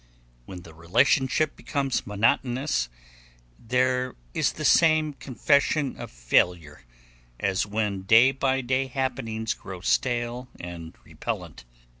When the relationship becomes monotonous, there is the same confession of failure as when day by day happenings grow stale and repellent.